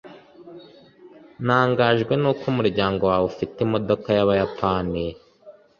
ntangajwe nuko umuryango wawe ufite imodoka yabayapani